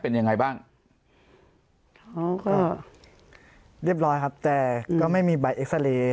เป็นยังไงบ้างเขาก็เรียบร้อยครับแต่ก็ไม่มีใบเอ็กซาเรย์